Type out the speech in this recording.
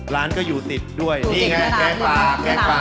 ร้านก็อยู่ติดด้วยนี่ไงแกงปลาแกงปลา